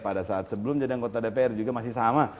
pada saat sebelum jadi anggota dpr juga masih sama